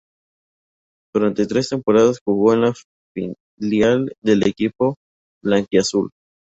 Durante tres temporadas jugó en el filial del equipo blanquiazul.